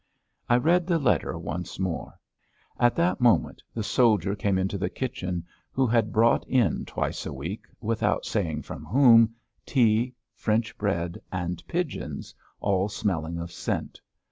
I read the letter once more. At that moment the soldier came into the kitchen who had brought in twice a week, without saying from whom, tea, French bread, and pigeons, all smelling of scent.